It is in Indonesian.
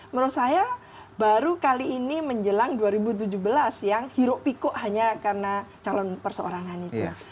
menurut saya baru kali ini menjelang dua ribu tujuh belas yang hiruk pikuk hanya karena calon perseorangan itu